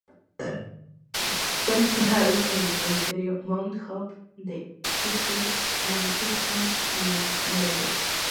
Fue enterrado en el Cementerio Mount Hope de Hastings-on-Hudson, Nueva York.